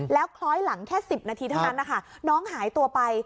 แล้วคล้อยหลังแค่๑๐นาทีเท่านั้นนะคะน้องหายตัวไป